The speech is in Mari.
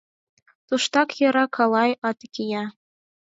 Туштак яра калай ате кия.